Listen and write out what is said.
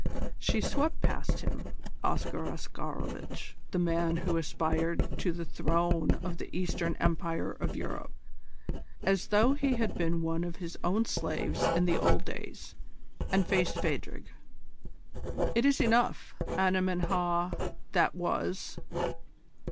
She swept past him Oscar Oscarovitch, the man who aspired to the throne of the Eastern Empire of Europe as though he had been one of his own slaves in the old days, and faced Phadrig. "It is enough, Anemen Ha that was.